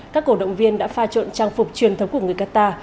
các cổ động viên đã pha trộn trang phục truyền thống của người qatar